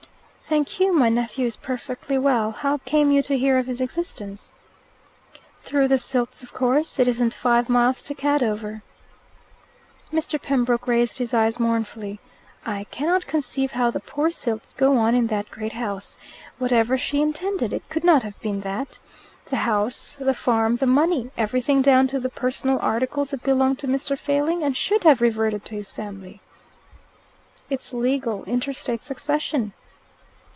"Thank you. My nephew is perfectly well. How came you to hear of his existence?" "Through the Silts, of course. It isn't five miles to Cadover." Mr. Pembroke raised his eyes mournfully. "I cannot conceive how the poor Silts go on in that great house. Whatever she intended, it could not have been that. The house, the farm, the money, everything down to the personal articles that belong to Mr. Failing, and should have reverted to his family!" "It's legal. Interstate succession."